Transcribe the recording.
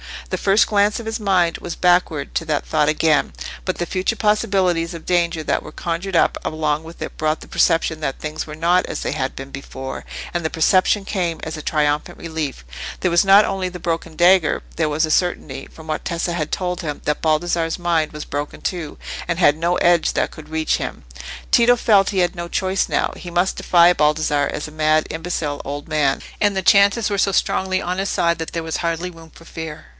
The first glance of his mind was backward to that thought again, but the future possibilities of danger that were conjured up along with it brought the perception that things were not as they had been before, and the perception came as a triumphant relief. There was not only the broken dagger, there was the certainty, from what Tessa had told him, that Baldassarre's mind was broken too, and had no edge that could reach him. Tito felt he had no choice now: he must defy Baldassarre as a mad, imbecile old man; and the chances were so strongly on his side that there was hardly room for fear.